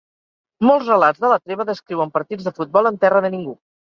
Molts relats de la treva descriuen partits de futbol en terra de ningú.